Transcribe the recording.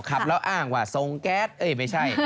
ขับแล้วอ้างว่าทรงแก๊สเอ้ยไม่ใช่